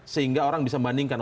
sehingga orang bisa membandingkan